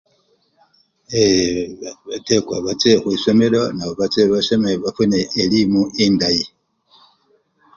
Ew! ba! batekwa bache khwisomelo nabo bache basome bafune elimu endayi.